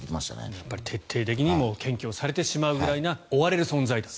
やっぱり徹底的に研究をされてしまうぐらいな追われる存在だった。